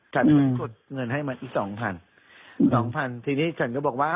ฉันกดเงินให้มันอีกสองพันสองพันทีนี้ฉันก็บอกว่า